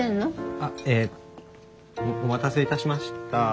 あっえお待たせいたしました。